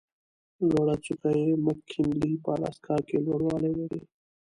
لوړه څوکه یې مک کینلي په الاسکا کې لوړوالی لري.